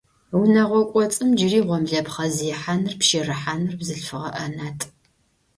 Унэгъо кӏоцӏым джыри гъомлэпхъэ зехьаныр, пщэрыхьаныр бзылъфыгъэ ӏэнатӏ.